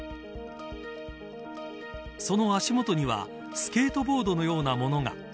その足元にはスケートボードのようなものが。